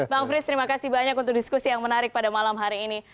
bang frits terima kasih banyak untuk diskusi yang menarik pada malam hari ini